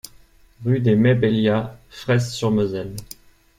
Rue des Meix Beillia, Fresse-sur-Moselle